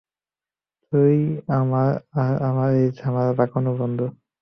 তুই, আমি আর আমার এই ঝামেলা পাকানো বন্ধু।